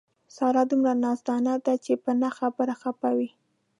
ساره دومره نازدان ده په نه خبره خپه وي.